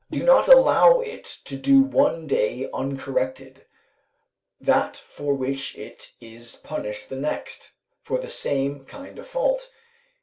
Do not allow it to do one day uncorrected, that for which it is punished the next for the same kind of fault.